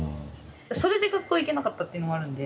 それで学校行けなかったっていうのもあるんで。